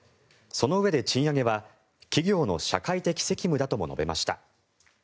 そのうえで、賃上げは企業の社会的責務だとも述べました。